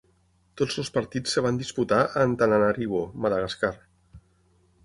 Tots els partits es van disputar a Antananarivo, Madagascar.